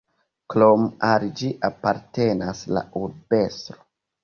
Krome al ĝi apartenas la urbestro.